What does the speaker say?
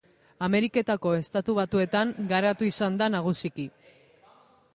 Ameriketako Estatu Batuetan garatu izan da nagusiki.